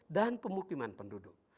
dan pemukiman penduduk